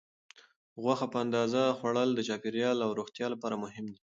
غوښه په اندازه خوړل د چاپیریال او روغتیا لپاره مهم دي.